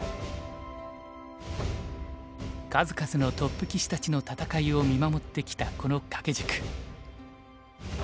数々のトップ棋士たちの戦いを見守ってきたこの掛け軸。